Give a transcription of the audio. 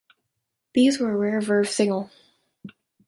These were a rare Verve single.